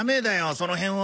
その辺は。